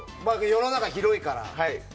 世の中、広いから。